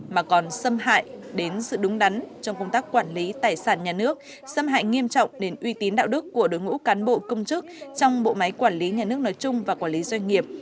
mà còn xâm hại đến sự đúng đắn trong công tác quản lý tài sản nhà nước xâm hại nghiêm trọng đến uy tín đạo đức của đối ngũ cán bộ công chức trong bộ máy quản lý nhà nước nói chung và quản lý doanh nghiệp